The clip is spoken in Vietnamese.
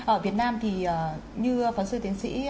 ở việt nam thì như phán sư tiến sĩ